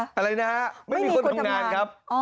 อะไรนะฮะไม่มีคนทำงานครับ